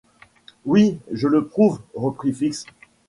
Oui, et je le prouve, reprit Fix.